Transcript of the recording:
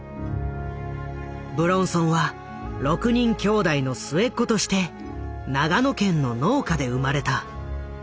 武論尊は６人きょうだいの末っ子として長野県の農家で生まれた。